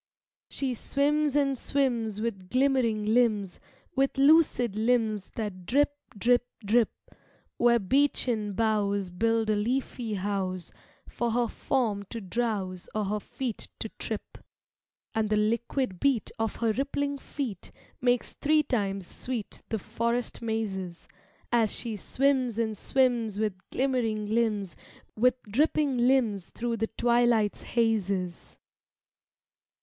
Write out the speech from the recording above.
She swims and swims with glimmering limbs, With lucid limbs that drip, drip, drip; Where beechen boughs build a leafy house For her form to drowse or her feet to trip; And the liquid beat of her rippling feet Makes three times sweet the forest mazes, As she swims and swims with glimmering limbs, With dripping limbs through the twilight's hazes.